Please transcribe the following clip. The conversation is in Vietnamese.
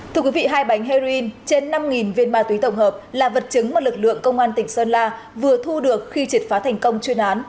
thưa quý vị hai bánh heroin trên năm viên ma túy tổng hợp là vật chứng mà lực lượng công an tỉnh sơn la vừa thu được khi triệt phá thành công chuyên án